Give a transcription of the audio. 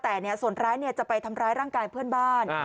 แต่ส่วนร้ายจะไปทำร้ายร่างกายเพื่อนบ้าน